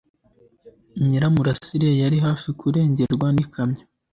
Nyiramurasira yari hafi kurengerwa n'ikamyo